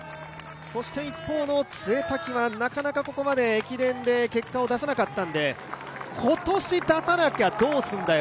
一方の潰滝はなかなかここまで駅伝で結果を出さなかったので今年出さなきゃどうすんだよ